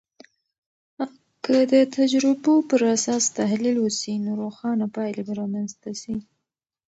که د تجربو پراساس تحلیل وسي، نو روښانه پایلې به رامنځته سي.